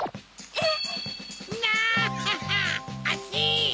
えっ？